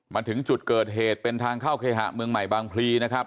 มาถึงจุดเกิดเหตุเป็นทางเข้าเคหะเมืองใหม่บางพลีนะครับ